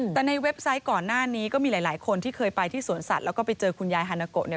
แต่ในเว็บไซต์ก่อนหน้านี้ก็มีหลายคนที่เคยไปที่สวนสัตว์แล้วก็ไปเจอคุณยายฮานาโกะเนี่ย